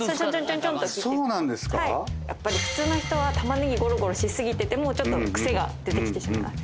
はいやっぱり普通の人は玉ねぎゴロゴロしすぎててもちょっと癖が出てきてしまう